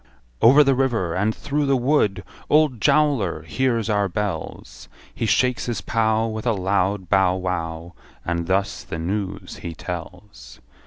Over the river, and through the wood Old Jowler hears our bells; He shakes his pow, With a loud bow wow, And thus the news he tells.